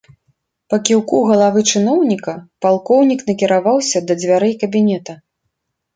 Па кіўку галавы чыноўніка палкоўнік накіраваўся да дзвярэй кабінета.